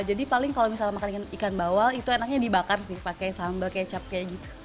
jadi paling kalau misalnya makan ikan bawal itu enaknya dibakar sih pakai sambal kecap kayak gitu